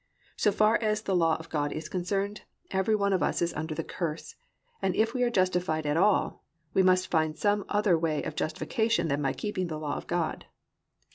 So as far as the law of God is concerned, every one of us is "under the curse," and if we are justified at all we must find some other way of justification than by keeping the law of God.